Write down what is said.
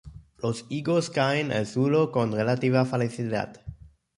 Los higos caen al suelo con relativa facilidad.